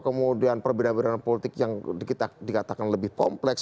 kemudian perbedaan perbedaan politik yang dikatakan lebih kompleks